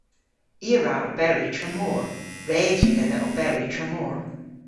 I a wra oberi tramor. Res yw dhedha oberi tramor.